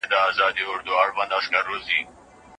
هغه ډېري مڼې چي موږ راوړي، خوږې وې.